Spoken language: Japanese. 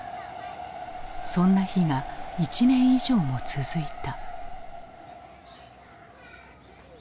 そんな日が１年以上も続いた。